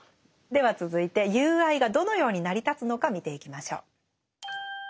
では続いて友愛がどのように成り立つのか見ていきましょう。